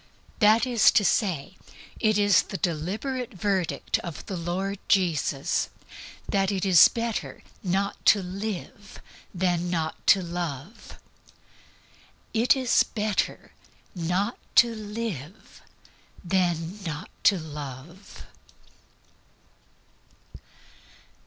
That is to say, it is the deliberate verdict of the Lord Jesus that it is better not to live than not to love. _It is better not to live than not to love.